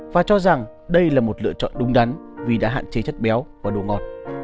và cho rằng đây là một lựa chọn đúng đắn vì đã hạn chế chất béo và đồ ngọt